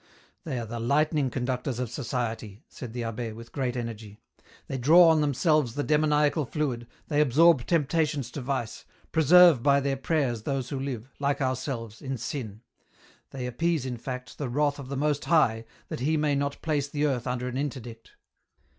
" They are the lightning conductors of society," said the EN ROUTE. 41 abb^, with great energy. " They draw on themselves the demoniacal fluid, they absorb temptations to vice, preserve by their prayers those who live, like ourselves, in sin ; they appease, in fact, the wrath of the Most High that He may not place the earth under an interdict.